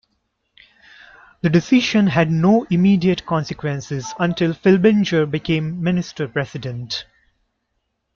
The decision had no immediate consequences until Filbinger became Minister-President.